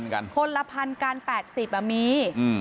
คนละพันกัน๘๐มี